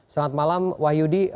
selamat malam wahyudi